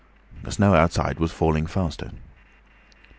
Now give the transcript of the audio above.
The snow outside was falling faster.